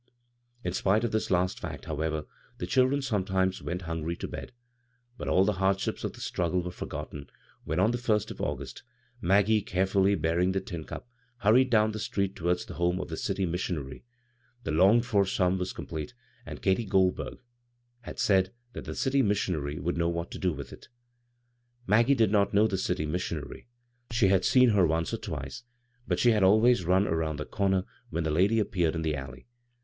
In spite of this last fact, however, the children sometimes went hungry to bed. But all the hardships of the struggle were forgotten when, on the first of August, Maggie, carefully bearing the tin cup, hurried down the street towards the home of the city missionary. The longed for sum was com plete, and Katy Goldburg had s^d that the dty niissionary would know what to do with it. Maggie did not know the dty missitmary. She had seen her once or twice, but she had always run around the comer when the lady appeared in the Alley.